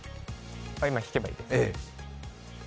今、弾けばいいですか？